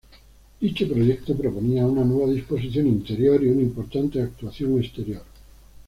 Dicho proyecto proponía una nueva disposición interior y una importante actuación exterior.